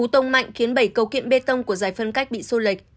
cú tông mạnh khiến bảy cấu kiện bê tông của giải phân cách bị xô lệch